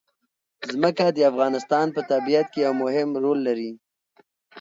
ځمکه د افغانستان په طبیعت کې یو مهم رول لري.